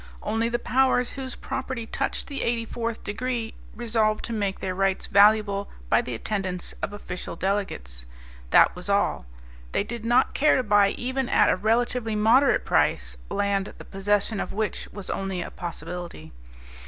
Only the powers whose property touched the eighty fourth degree resolved to make their rights valuable by the attendance of official delegates. That was all. They did not care to buy even at a relatively moderate price land the possession of which was only a possibility.